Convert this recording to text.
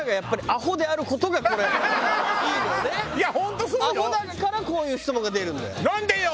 アホだからこういう質問が出るんだよ。